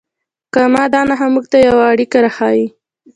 کامه دا نښه موږ ته یوه اړیکه راښیي.